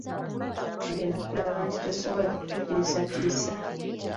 Muto wange nakulaba nti tosobola kututiisatiisa.